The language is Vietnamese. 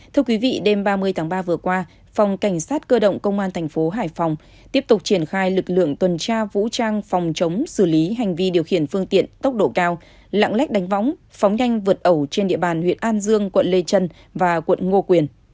thưa quý vị đêm ba mươi tháng ba vừa qua phòng cảnh sát cơ động công an thành phố hải phòng tiếp tục triển khai lực lượng tuần tra vũ trang phòng chống xử lý hành vi điều khiển phương tiện tốc độ cao lạng lách đánh võng phóng nhanh vượt ẩu trên địa bàn huyện an dương quận lê trân và quận ngô quyền